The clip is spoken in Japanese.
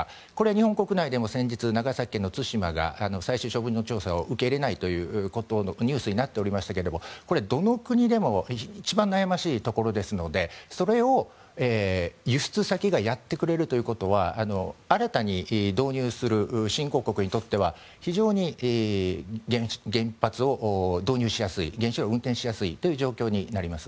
日本国内でも長崎の対馬が最終処分調査を受け入れないということがニュースになっておりましたがどの国でも一番悩ましいところですのでそれを輸出先がやってくれるということは新たに導入する新興国にとっては非常に原発を導入しやすい原子炉を運転しやすいという状況になります。